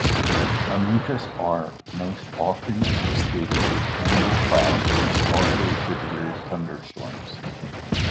Mammatus are most often associated with anvil clouds and also severe thunderstorms.